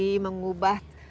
namun di sini